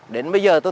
đến bây giờ tôi thấy